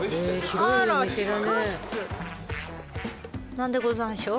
何でござんしょ？